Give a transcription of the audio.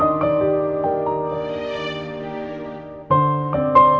aku gak bisa tidur semalaman